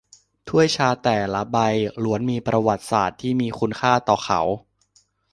ถ้วยชาแต่ละใบล้วนมีประวัติศาสตร์ที่มีคุณค่าต่อเขา